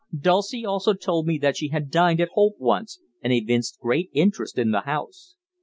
Dulcie also told me that she had dined at Holt once, and evinced great interest in the house.